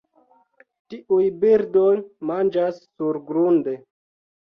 Tiuj birdoj manĝas surgrunde.